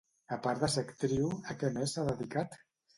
A part de ser actriu, a què més s'ha dedicat?